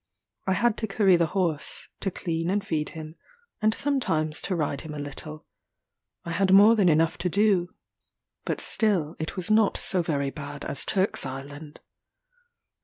I had to curry the horse to clean and feed him and sometimes to ride him a little. I had more than enough to do but still it was not so very bad as Turk's Island.